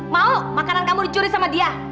mau makanan kamu dicuri sama dia